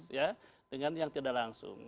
ya dengan yang tidak langsung